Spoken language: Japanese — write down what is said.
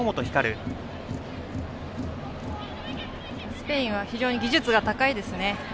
スペインは非常に技術が高いですね。